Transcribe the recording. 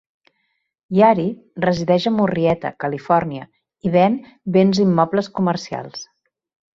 Yary resideix a Murrieta, Califòrnia, i ven béns immobles comercials.